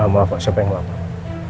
maaf pak siapa yang maaf pak